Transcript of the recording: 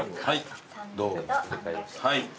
はい。